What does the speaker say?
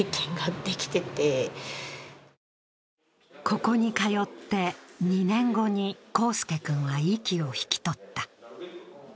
ここに通って２年後に晃輔君は息を引き取った。